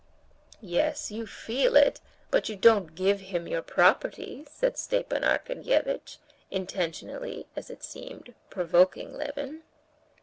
"Yes, you feel it, but you don't give him your property," said Stepan Arkadyevitch, intentionally, as it seemed, provoking Levin.